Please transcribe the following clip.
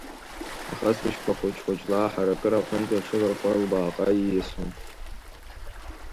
Ахысбыжьқәа хәыҷы-хәыҷла, аҳаракыра аҟынтәи аҽыларҟәуа, лбааҟа ииасуан.